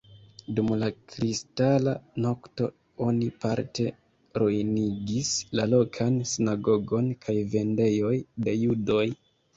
Dum la Kristala Nokto oni parte ruinigis la lokan sinagogon kaj vendejoj de judoj.